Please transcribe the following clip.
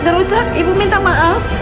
gak rusak ibu minta maaf